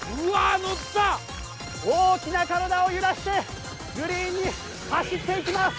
大きな体を揺らしてグリーンに走っていきます。